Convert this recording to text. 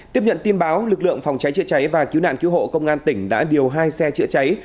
tiếp nhận tin báo lực lượng phòng cháy chữa cháy và cứu nạn cứu hộ công an tỉnh đã điều hai xe chữa cháy